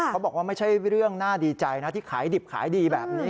ไม่ใช่เรื่องน่าดีใจนะที่ขายดิบขายดีแบบนี้